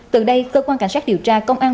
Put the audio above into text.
từ đây cơ quan cảnh sát điều tra công an